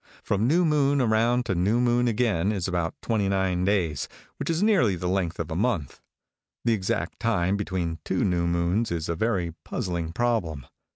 From new moon around to new moon again is about twenty nine days, which is nearly the length of a month. The exact time between two new moons is a very puzzling problem.